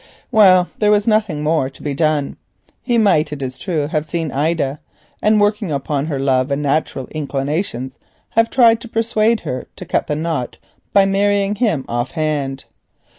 Well, there was nothing more to be done. He might, it is true, have seen Ida, and working upon her love and natural inclinations have tried to persuade her to cut the knot by marrying him off hand.